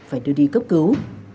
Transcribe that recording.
phải đưa đi cấp cứu